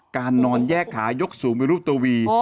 การนอนแยกขายกสูงไม่รู้ตัววี